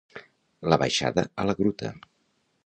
La baixada a la gruta.